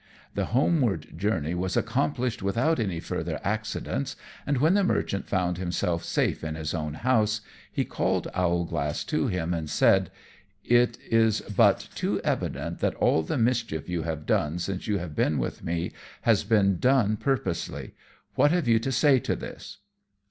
The homeward journey was accomplished without any further accident; and when the Merchant found himself safe in his own house, he called Owlglass to him and said, "It is but too evident that all the mischief you have done since you have been with me has been done purposely. What have you to say to this?"